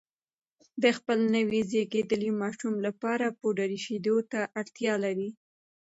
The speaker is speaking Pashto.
د خپل نوي زېږېدلي ماشوم لپاره پوډري شیدو ته اړتیا لري